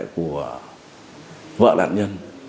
của vợ nạn nhân